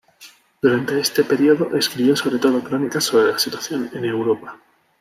Durante este periodo escribió sobre todo crónicas sobre la situación en Europa.